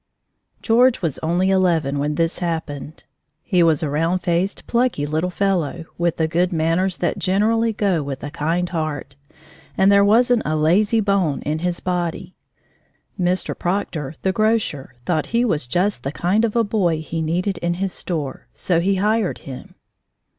George was only eleven when this happened. He was a round faced, plucky, little fellow, with the good manners that generally go with a kind heart, and there wasn't a lazy bone in his body. Mr. Proctor, the grocer, thought he was just the kind of a boy he needed in his store. So he hired him.